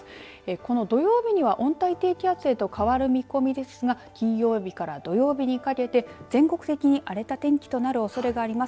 この土曜日には温帯低気圧へと変わる見込みですが金曜日から土曜日にかけて全国的に荒れた天気となるおそれがあります。